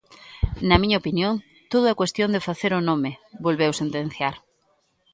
–Na miña opinión todo é cuestión de facer o nome –volveu sentenciar–.